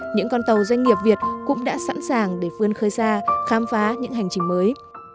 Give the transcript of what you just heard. những con tàu doanh nghiệp việt cũng đã sẵn sàng để vươn khơi xa khám phá những hành trình mới